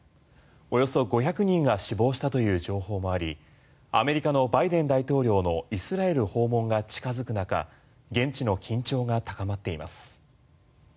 およそ５００人が死亡したという情報もありアメリカのバイデン大統領のイスラエル訪問が近付く中現地の緊張が高まっています。